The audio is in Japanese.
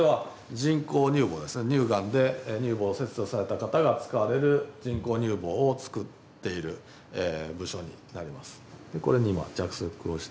乳がんで乳房を切除された方が使われる人工乳房をつくっている部署になります。